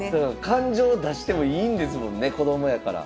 感情出してもいいんですもんね子供やから。